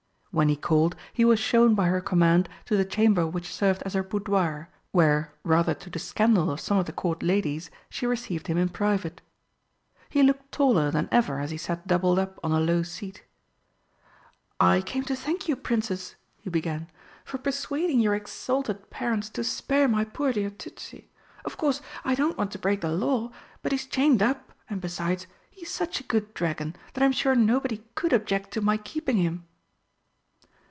When he called he was shown by her command to the chamber which served as her boudoir, where, rather to the scandal of some of the Court ladies, she received him in private. He looked taller than ever as he sat doubled up on a low seat. "I came to thank you, Princess," he began, "for persuading your exalted parents to spare my poor dear Tützi. Of course I don't want to break the law, but he is chained up, and besides, he is such a good dragon that I'm sure nobody could object to my keeping him."